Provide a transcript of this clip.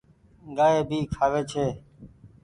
گآئي ڀي کآوي ڇي۔